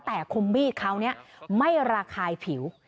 แต่คมมีดเขานี้ไม่ระคายผิว